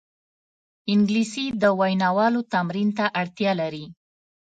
انګلیسي د ویناوالو تمرین ته اړتیا لري